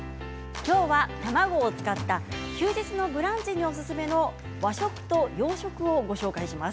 きょうは卵を使った休日のブランチにおすすめの和食と洋食をご紹介します。